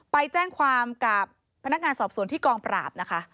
ไปแจ้งความกับพนักงานสอบสวนที่กองปราบนะคะ